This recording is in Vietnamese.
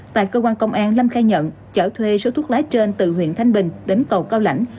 tại cơ quan công an lâm khai nhận chở thuê số thuốc lá trên từ huyện thanh bình đến cầu cao lãnh